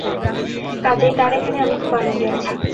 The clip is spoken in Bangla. কাজেই তাঁর এখানে আমি খুব আনন্দে আছি।